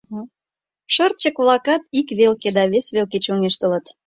Шырчык-влакат ик велке да вес велке чоҥештылыт.